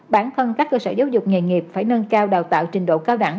bản thân các cơ sở giáo dục nghề nghiệp phải nâng cao đào tạo trình độ cao đẳng